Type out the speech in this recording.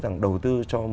rằng đầu tư cho một